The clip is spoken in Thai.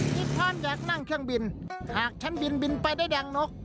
พี่พรอยากนั่งเครื่องบินหากฉันบินบินไปได้แดงนก